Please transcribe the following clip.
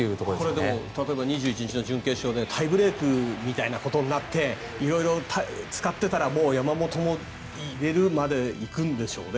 これ、２１日の準決勝でタイブレークみたいなことになって色々使ってたら山本も入れるまで行くんでしょうね？